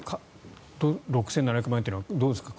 ６７００万円というのはどうですか。